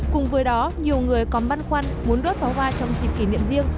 cùng với đó nhiều người còn băn khoăn muốn đốt pháo hoa trong dịp kỷ niệm riêng